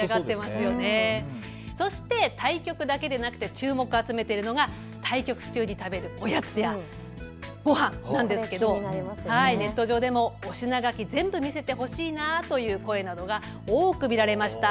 そして対局だけでなくて注目を集めているのが対局中に食べるおやつやごはんなんですけれどもネット上でもお品書き、全部見せてほしいなあという声などが多く見られました。